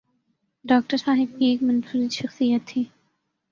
Doctor صاحب کی ایک منفرد شخصیت تھی۔